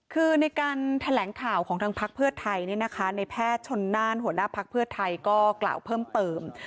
คือในการแถลงข่าวของทางพักเพื่อไทยในแพทย์ชนน่านหัวหน้าพักเพื่อไทยก็กล่าวเพิ่มเติม